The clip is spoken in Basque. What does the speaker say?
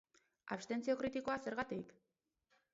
Abstentzio kritikoa, zergatik?